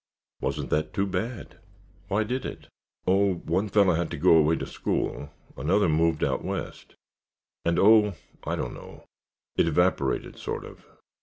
"Wasn't that too bad! Why did it?" "Oh, one fellow had to go away to school; another moved out west, and—oh, I don't know, it evaporated, sort of.